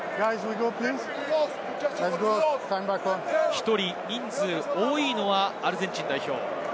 １人、人数が多いのはアルゼンチン代表。